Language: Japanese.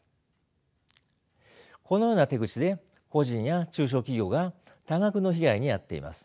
このような手口で個人や中小企業が多額の被害に遭っています。